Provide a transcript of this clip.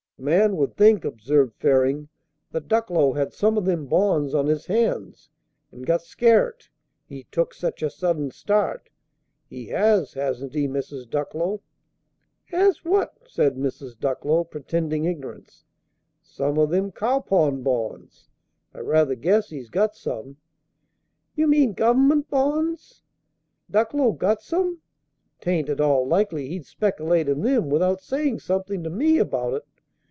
"A man would think," observed Ferring, "that Ducklow had some o' them bonds on his hands, and got scaret, he took such a sudden start. He has, hasn't he, Mrs. Ducklow?" "Has what?" said Mrs. Ducklow, pretending ignorance. "Some o' them cowpon bonds. I rather guess he's got some." "You mean Gov'ment bonds? Ducklow got some? 'Tain't at all likely he'd spec'late in them without saying something to me about it.